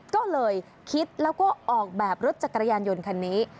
ก็เลยคิดแล้วก็ออกแบบรถจักรยานยนต์คันนี้